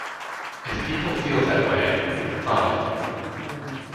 If people feel that way - fine.